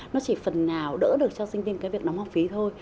nó chỉ phần nào đỡ được cho sinh viên cái việc đóng học phí thôi